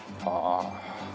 ああ。